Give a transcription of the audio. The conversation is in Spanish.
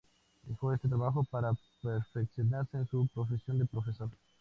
Dejó este trabajo para perfeccionarse en su profesión de profesor.